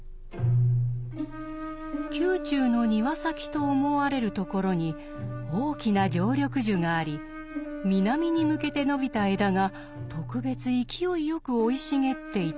宮中の庭先と思われるところに大きな常緑樹があり南に向けて伸びた枝が特別勢いよく生い茂っていた。